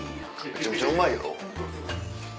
めちゃめちゃうまいやろ？